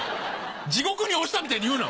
地獄に落ちたみたいに言うな！